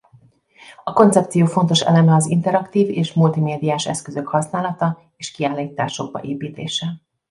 A koncepció fontos eleme az interaktív és multimédiás eszközök használata és kiállításokba építése.